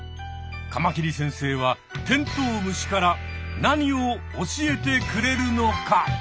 カマキリ先生はテントウムシから何を教えてくれるのか？